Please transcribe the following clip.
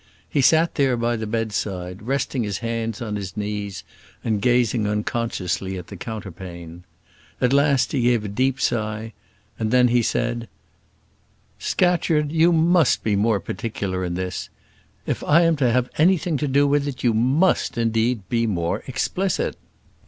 He sat there by the bedside, resting his hands on his knees and gazing unconsciously at the counterpane. At last he gave a deep sigh, and then he said, "Scatcherd, you must be more particular in this. If I am to have anything to do with it, you must, indeed, be more explicit."